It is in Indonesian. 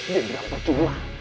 dia berapa cuman